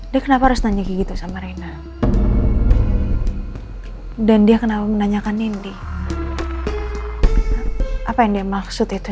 dia kenapa harus nanya kayak gitu sama rena dan dia kenapa menanyakan ini apa yang dia maksud itu